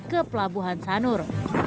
ke pelabuhan sanur